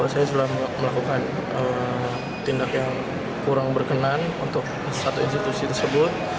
saya sudah melakukan tindak yang kurang berkenan untuk satu institusi tersebut